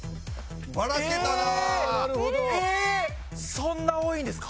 そんな多いんですか？